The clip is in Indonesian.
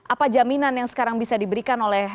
apa jaminan yang sekarang bisa diberikan oleh